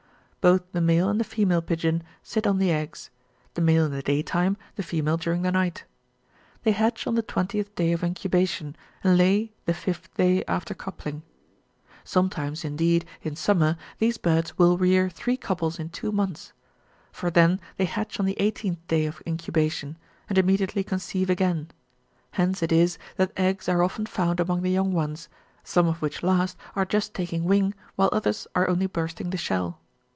Both tlie male and the female pigeon sit on the eggs ; the male in the day time, the female during the night. They hatch on the twentieth day of incubation, and lay the fifth day after coupling. {Some times, indeed, in summer, these birds will rear three couples in two months ; for then they hatch on the eighteenth day of incubation, and immediately conceive again ; hence it is that eggs are often found among the young ones, some of which last are just taking wing, while others are only bursting the shell.